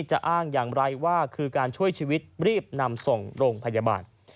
จะอ้างอย่างไรว่าคือการช่วยชีวิตรีบนำส่งโรงพยาบาล